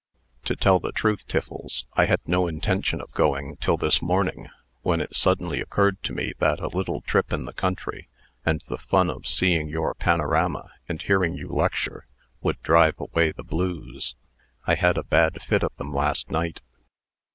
"To tell the truth, Tiffles, I had no intention of going, till this morning, when it suddenly occurred to me that a little trip in the country, and the fun of seeing your panorama and hearing you lecture, would drive away the blues. I had a bad fit of them last night."